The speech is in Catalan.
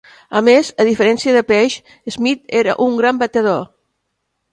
A més, a diferència de Paige, Smith era un gran batedor.